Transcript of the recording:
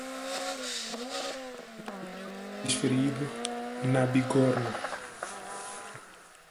O golpe desferido na bigorna